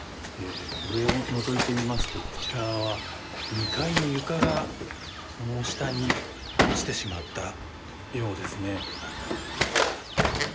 上をのぞいてみますと２階の床がそのまま下に落ちてしまったようですね。